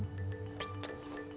ピッと。